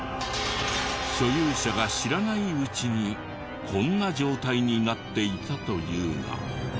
所有者が知らないうちにこんな状態になっていたというが。